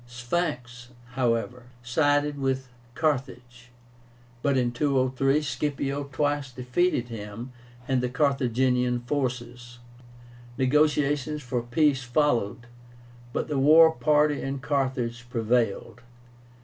Syphax, however, sided with Carthage; but in 203 Scipio twice defeated him and the Carthaginian forces. Negotiations for peace followed, but the war party in Carthage prevailed.